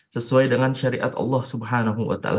sesuai dengan syariat allah subhanahu wa ta ala